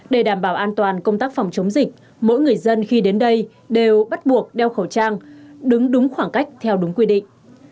để đảm bảo an toàn công tác phòng chống dịch mỗi người dân khi đến đây đều bắt buộc đeo khẩu trang đứng đúng khoảng cách theo đúng quy định